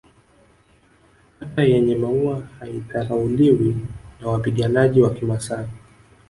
Hata yenye maua haidharauliwi na wapiganaji wa kimasai